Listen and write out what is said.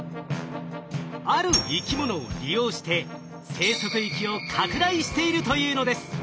ある生き物を利用して生息域を拡大しているというのです。